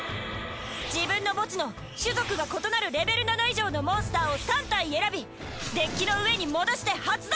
自分の墓地の種族が異なるレベル７以上のモンスターを３体選びデッキの上に戻して発動！